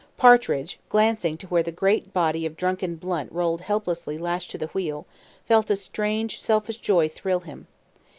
Partridge, glancing to where the great body of drunken Blunt rolled helplessly lashed to the wheel, felt a strange selfish joy thrill him.